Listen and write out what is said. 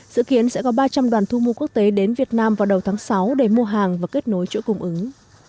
dự kiến sẽ có ba trăm linh đoàn thu mua quốc tế đến việt nam vào đầu tháng sáu để mua hàng và kết nối chuỗi cung ứng